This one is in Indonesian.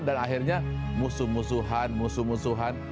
akhirnya musuh musuhan musuh musuhan